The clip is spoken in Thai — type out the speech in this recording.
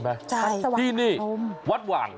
ใช่สวัสดิ์สว่างอารมณ์ที่นี่วัดหว่าง